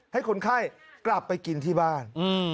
ให้คนไข้กลับไปกินที่บ้าน